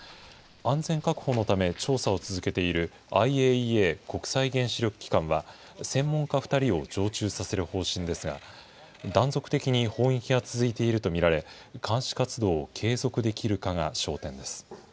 安全確保のため調査を続けているＩＡＥＡ・国際原子力機関は、専門家２人を常駐させる方針ですが、断続的に砲撃が続いていると見られ、監視活動を継続できるかが焦点です。